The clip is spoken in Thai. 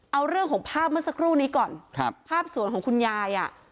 เอาเรื่องของภาพเมื่อสักครู่นี้ก่อนครับภาพสวนของคุณยายอ่ะ